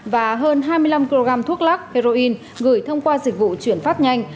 và hơn hai mươi năm kg thuốc lắc heroin gửi thông qua dịch vụ chuyển phát nhanh